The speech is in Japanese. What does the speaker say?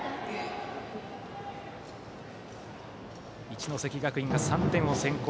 一関学院が３点を先行